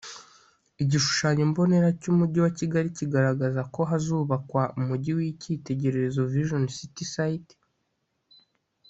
igishushanyo mbonera cy’Umujyi wa Kigali kigaragaza ko hazubakwa Umujyi w’icyitegererezo “Vision City Site”